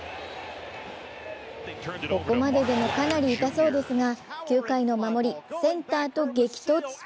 ここまででもかなり痛そうですが９回の守り、センターと激突。